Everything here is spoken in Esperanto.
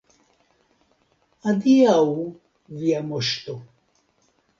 Adiaŭ, via Moŝto.